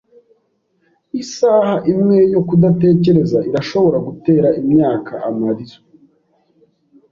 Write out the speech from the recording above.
Isaha imwe yo kudatekereza irashobora gutera imyaka amarira.